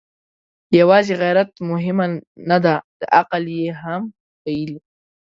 يواځې غيرت مهمه نه ده، عقل يې هم ويلی.